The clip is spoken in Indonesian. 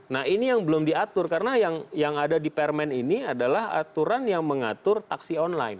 nah ini yang belum diatur karena yang ada di permen ini adalah aturan yang mengatur taksi online